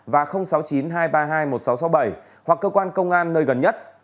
và sáu mươi chín hai trăm ba mươi hai một nghìn sáu trăm sáu mươi bảy hoặc cơ quan công an nơi gần nhất